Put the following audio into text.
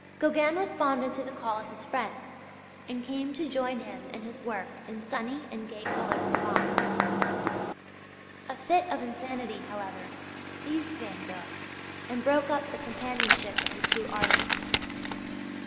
Gauguin responded to the call of his friend and came to join him in his work in sunny and gay coloured Provence. A fit of insanity, however, seized Van Gogh and broke up the companionship of the two artists.